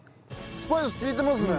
スパイス利いてますね。